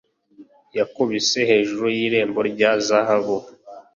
yakubise hejuru y'irembo rya zahabu